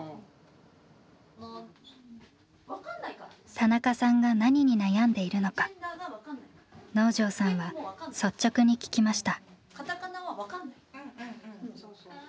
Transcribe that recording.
田中さんが何に悩んでいるのか能條さんは率直に聞きました。